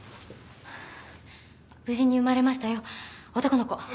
無事に生まれましたよ男の子。